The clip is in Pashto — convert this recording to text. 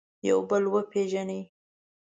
یو بل وپېژني.